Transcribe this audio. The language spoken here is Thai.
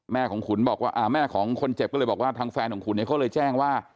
แม่ของคนเจ็บก็เลยบอกว่าทางแฟนของคุณเนี่ยเขาเลยแจ้งว่า